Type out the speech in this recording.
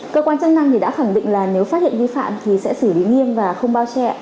cơ quan chức năng thì đã khẳng định là nếu phát hiện vi phạm thì sẽ xử lý nghiêm và không bao che